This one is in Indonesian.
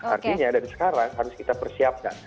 artinya dari sekarang harus kita persiapkan